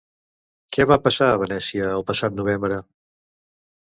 Què va passar a Venècia el passat novembre?